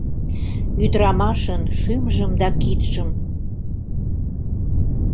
— Ӱдырамашын шӱмжым да кидшым.